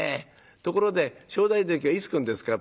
ところで正代関はいつ来るんですか？」